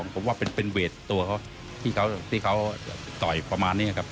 ผมว่าเป็นเวทตัวเขาที่เขาต่อยประมาณนี้ครับ